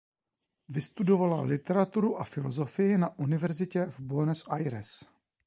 Vystudovala literaturu a filozofii na univerzitě v Buenos Aires.